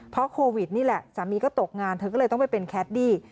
เพราะโควิดนี่แหละสามีก็ตกงานเธอก็เลยต้องไปเป็นแคดดี้